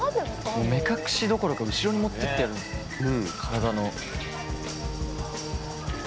目隠しどころか後ろに持ってってやる体の。